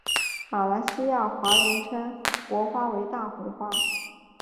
马来西亚华人称国花为大红花。